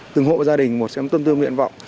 từng hộ gia đình một xem tương tương nguyện vọng